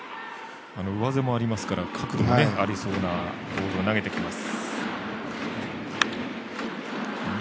上背もありますから角度もありそうなボールを投げてきます。